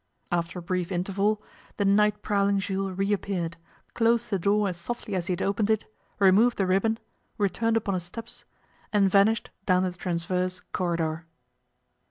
After a brief interval, the night prowling Jules reappeared, closed the door as softly as he had opened it, removed the ribbon, returned upon his steps, and vanished down the transverse corridor.